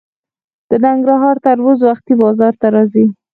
د ننګرهار تربوز وختي بازار ته راځي.